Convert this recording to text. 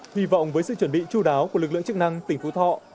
hy vọng với sự chuẩn bị chú đáo của lực lượng chức năng tỉnh phú thọ